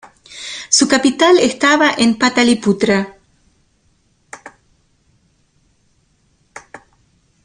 Su capital estaba en Pataliputra.